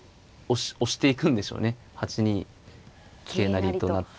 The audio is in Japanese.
８二桂成と成って。